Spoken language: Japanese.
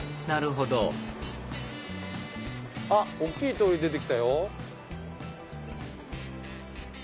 なるほどあっ大きい通り出て来たよ。